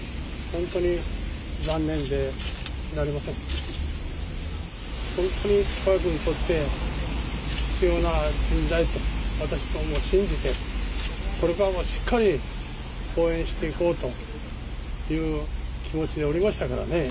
本当にわが国にとって必要な人材だと私ども信じて、これからもしっかり後援していこうという気持ちでおりましたからね。